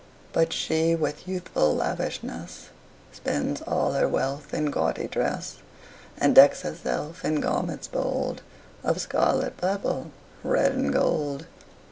But she, with youthful lavishness, Spends all her wealth in gaudy dress, And decks herself in garments bold Of scarlet, purple, red, and gold.